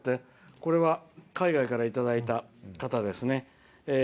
これは海外からいただいた方ですね。